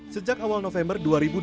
sejak awal november dua ribu dua puluh